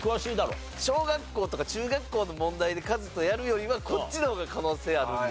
小学校とか中学校の問題でカズとやるよりはこっちの方が可能性あるので。